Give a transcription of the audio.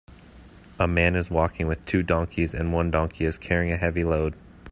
A man is walking with two donkeys and one donkey is carrying a heavy load.